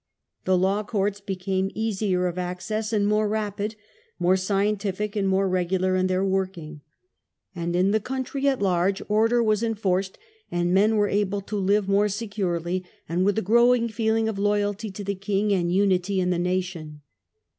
The law courts became easier of access, and more rapid, more scientific, and more regular in their working. And in the country at large order was enforced, and men were able to live more securely and with a growing feeling of loyalty to the king and unity in the nation.